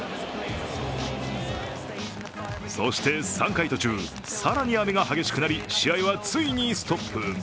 そして３回表が終わると、更に雨が激しくなり試合はついにストップ。